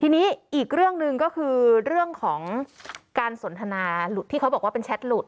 ทีนี้อีกเรื่องหนึ่งก็คือเรื่องของการสนทนาหลุดที่เขาบอกว่าเป็นแชทหลุด